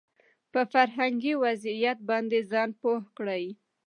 په فرهنګي وضعيت باندې ځان پوه کړي